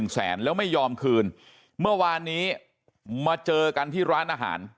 แสนแล้วไม่ยอมคืนเมื่อวานนี้มาเจอกันที่ร้านอาหาร